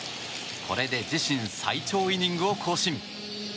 これで自身最長イニングを更新。